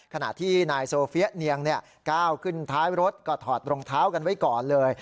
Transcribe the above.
ขณะที่นายโซเฟียเนียงก้าวขึ้นท้ายรถก็ถอดรองเท้ากันไว้ก่อนเลย